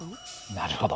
なるほど。